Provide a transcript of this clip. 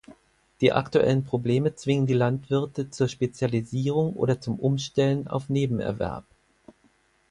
Die aktuellen Probleme zwingen die Landwirte zur Spezialisierung oder zum Umstellen auf Nebenerwerb.